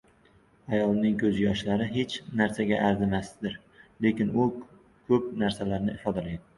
• Ayolning ko‘z yoshlari hech narsaga arzimasdir, lekin u ko‘p narsalarni ifodalaydi.